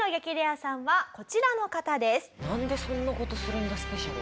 なんでそんな事するんだスペシャル。